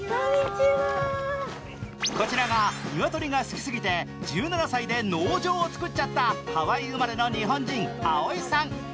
こちらが、ニワトリが好きすぎて１７歳で農場を作っちゃったハワイ生まれの日本人、あおいさん